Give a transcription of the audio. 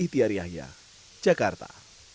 di tiar yahya jakarta